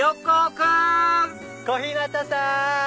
小日向さん！